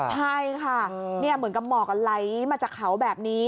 ใช่ค่ะเหมือนกับหมอกไหลมาจากเขาแบบนี้